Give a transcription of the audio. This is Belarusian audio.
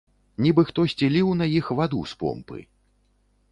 Нібы хтосьці ліў на іх ваду з помпы.